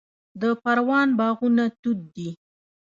د پروان باغونه توت دي